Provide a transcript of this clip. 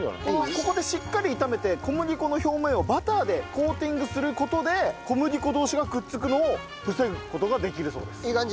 ここでしっかり炒めて小麦粉の表面をバターでコーティングする事で小麦粉同士がくっつくのを防ぐ事ができるそうです。